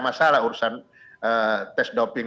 masalah urusan tes doping